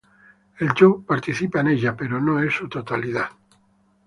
El yo participa en ella pero no es su totalidad.